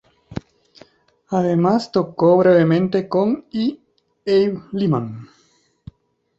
Además, tocó brevemente con y Abe Lyman.